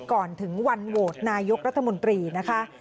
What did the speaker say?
ก่อนถึงวันโหวตนายกรัฐมนตรีนะคะ